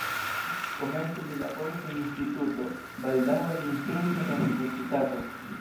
Komence li laboris en instituto, baldaŭe li instruis en la universitato.